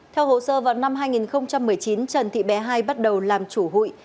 theo hồ sơ vào năm hai nghìn một mươi chín trần thị bé hai bắt đầu làm chủ hụi